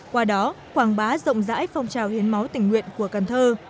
qua đó quảng bá rộng rãi phong trào hiến máu tình nguyện của cần thơ